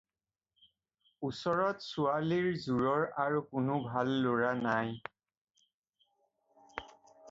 ওচৰত ছোৱালীৰ জোৰৰ আৰু কোনো ভাল ল'ৰা নাই।